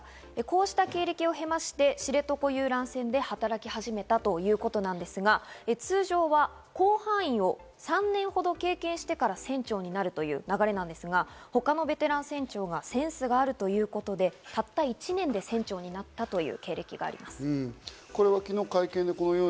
こうした経歴を経まして、知床遊覧船で働き始めたということなんですが、通常は甲板員を３年ほど経験してから船長になるという流れなんですが、他のベテラン船長がセンスがあるということで、たった１年で船長になったという経歴があります。